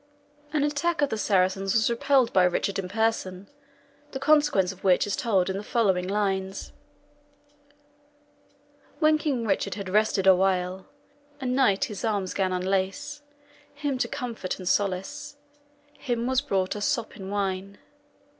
An attack of the Saracens was repelled by Richard in person, the consequence of which is told in the following lines: "When King Richard had rested a whyle, A knight his arms 'gan unlace, Him to comfort and solace. Him was brought a sop in wine.